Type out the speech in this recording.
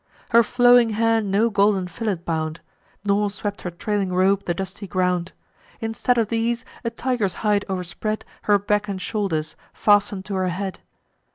Her flowing hair no golden fillet bound; Nor swept her trailing robe the dusty ground. Instead of these, a tiger's hide o'erspread Her back and shoulders, fasten'd to her head.